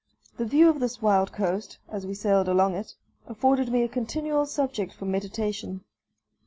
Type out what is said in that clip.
The view of this wild coast, as we sailed along it, afforded me a continual subject for meditation.